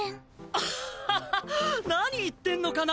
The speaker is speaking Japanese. アハハ何言ってんのかな